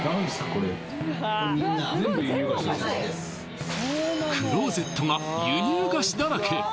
これクローゼットが輸入菓子だらけ！